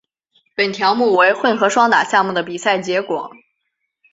本条目为混合双打项目的比赛结果。